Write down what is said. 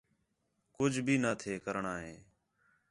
کُجھ بھی نہ تھے کرݨاں ہِن